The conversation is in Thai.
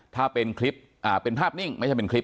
ถ้าเป็นคลิปเป็นภาพนิ่งไม่ใช่เป็นคลิป